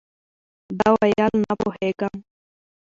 ده ویل، نه پوهېږم.